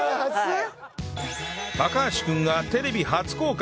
橋君がテレビ初公開！